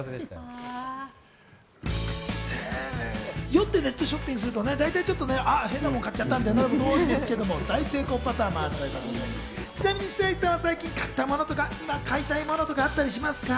酔ってネットショッピングすると変なものを買っちゃったというのが多いんですが、大成功パターンもあるということで、ちなみに白石さんは最近買ったものや買いたいものとかあったりしますか？